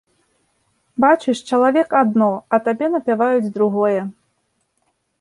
Бачыш чалавек адно, а табе напяваюць другое.